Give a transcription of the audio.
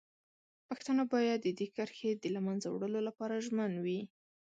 پښتانه باید د دې کرښې د له منځه وړلو لپاره ژمن وي.